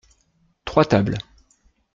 Trois tables.